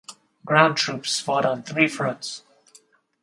Ground troops fought on three fronts.